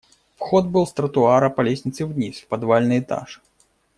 Вход был с тротуара по лестнице вниз, в подвальный этаж.